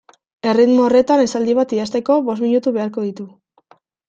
Erritmo horretan esaldi bat idazteko bost minutu beharko ditu.